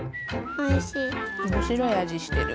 おもしろいあじしてる。